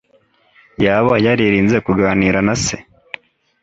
Yaba yaririnze kuganira na se?